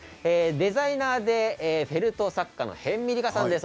デザイナーでフェルト作家の逸見吏佳さんです。